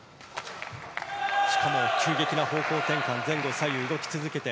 しかも急激な方向転換前後左右動き続けて。